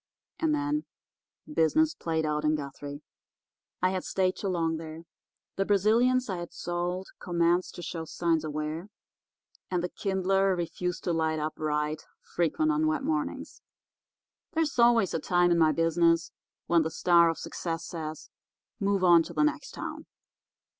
And then business played out in Guthrie. "I had stayed too long there. The Brazilians I had sold commenced to show signs of wear, and the Kindler refused to light up right frequent on wet mornings. There is always a time, in my business, when the star of success says, 'Move on to the next town.